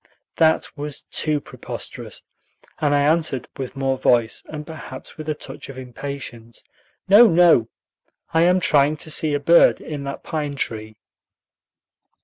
That was too preposterous, and I answered with more voice, and perhaps with a touch of impatience, "No, no; I am trying to see a bird in that pine tree."